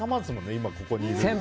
今ここにいるの。